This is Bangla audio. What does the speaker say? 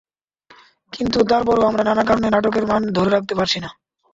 কিন্তু তারপরও আমরা নানা কারণে নাটকের মান ধরে রাখতে পারছি না।